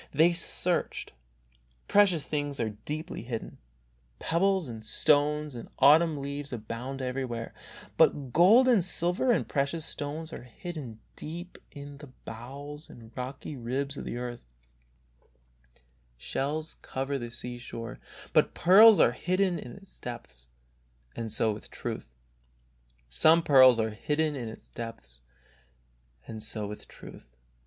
They searched. Precious things are deeply hidden. Pebbles and stones and autumn leaves abound everywhere, but gold and silver and precious stones are hidden deep in the bowels and rocky ribs of the earth ; shells cover the sea shore, but pearls are hidden in its depths. And so with truth.